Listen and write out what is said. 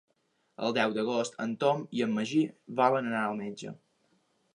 El deu d'agost en Tom i en Magí volen anar al metge.